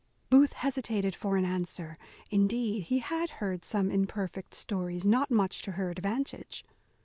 Booth hesitated for an answer; indeed, he had heard some imperfect stories, not much to her advantage.